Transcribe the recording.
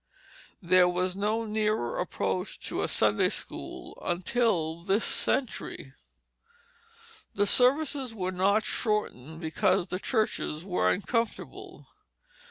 There was no nearer approach to a Sunday school until this century. The services were not shortened because the churches were uncomfortable.